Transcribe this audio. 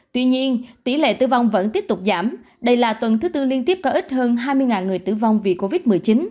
tuy nhiên tỷ lệ tử vong vẫn tiếp tục giảm đây là tuần thứ tư liên tiếp có ít hơn hai mươi người tử vong vì covid một mươi chín